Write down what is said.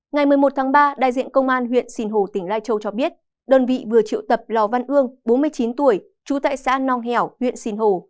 ngày một mươi một tháng ba đại diện công an huyện sinh hồ tỉnh lai châu cho biết đơn vị vừa triệu tập lò văn ương bốn mươi chín tuổi trú tại xã nong hẻo huyện sinh hồ